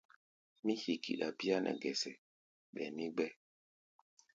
Mí hikiɗa bíá nɛ gɛsɛ, ɓɛɛ mí gbɛ́.